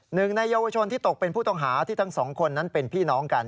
หนึ่งในเยาวชนที่ตกเป็นผู้ต้องหาที่ทั้งสองคนนั้นเป็นพี่น้องกัน